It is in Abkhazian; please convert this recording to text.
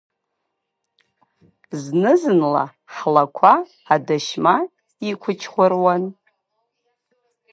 Зны-зынла ҳлақәа адашьма иқәычхәыруан.